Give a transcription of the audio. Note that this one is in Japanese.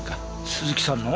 鈴木さんの？